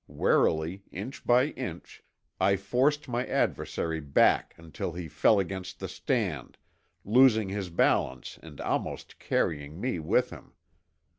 Warily, inch by inch, I forced my adversary back until he fell against the stand, losing his balance and almost carrying me with him.